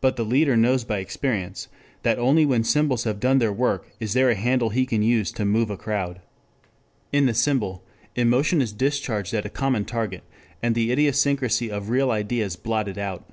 But the leader knows by experience that only when symbols have done their work is there a handle he can use to move a crowd. In the symbol emotion is discharged at a common target, and the idiosyncrasy of real ideas blotted out.